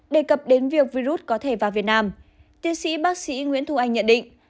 đề cập đến việc virus có thể vào việt nam tiến sĩ bác sĩ nguyễn thu anh nhận định